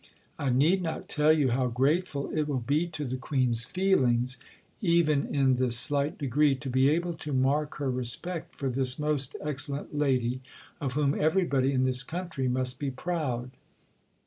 I need not tell you how grateful it will be to the Queen's feelings, even in this slight degree, to be able to mark her respect for this most excellent lady of whom everybody in this country must be proud."